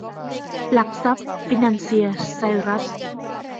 หลักทรัพย์ ฟินันเซีย ไซรัส